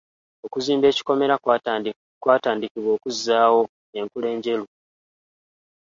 Okuzimba ekikomera kwatandikibwa okuzzaawo enkula enjeru.